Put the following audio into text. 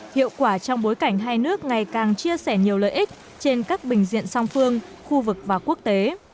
hiệu quả trong bối cảnh hai nước ngày càng chia sẻ nhiều lợi ích trên các bình diện song phương khu vực và quốc tế